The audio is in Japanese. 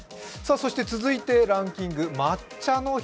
そして続いてランキング、抹茶の日。